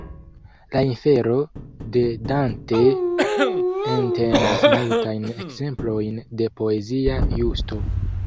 La "Infero" de Dante entenas multajn ekzemplojn de poezia justo.